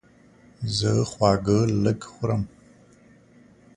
زه خواږه لږ خورم.